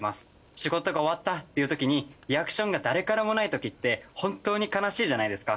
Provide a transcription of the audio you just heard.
仕事が終わったっていうときにリアクションが誰からもないときって本当に悲しいじゃないですか。